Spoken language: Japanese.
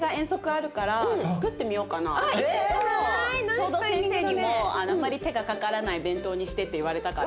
ちょうど先生にもあんまり手がかからない弁当にしてって言われたから。